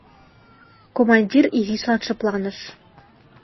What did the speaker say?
Командир изишлан шыпланыш.